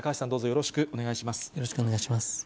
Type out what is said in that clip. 高橋さん、どうぞよろしくお願いします。